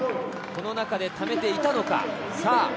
この中で溜めていたのか。